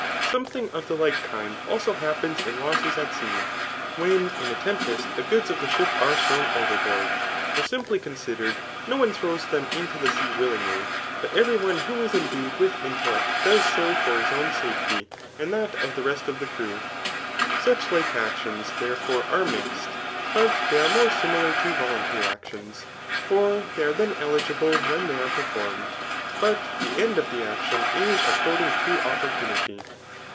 Something of the like kind also happens in losses at sea, when in a tempest the goods of the ship are thrown overboard ; ibr simply considered, no one throws them into the sea willingly, but every one who is endued with intellect does so for his own safety and that of the rest of the crew. Such like acdons, therefore, are mixed; but Aey are more similar to vol}ptary actions j for they are then eligible when they are performed j but the end of the action is according to opportunity.